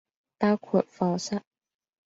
包括課室